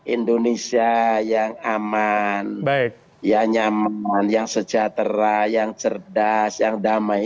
indonesia yang aman yang nyaman yang sejahtera yang cerdas yang damai